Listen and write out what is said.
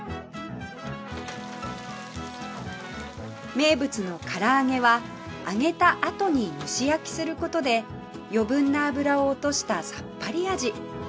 名物のから揚げは揚げたあとに蒸し焼きする事で余分な脂を落としたさっぱり味